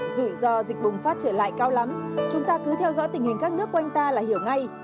rủi ro dịch bùng phát trở lại cao lắm chúng ta cứ theo dõi tình hình các nước quanh ta là hiểu ngay